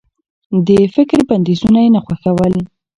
د فکر بنديزونه يې نه خوښول.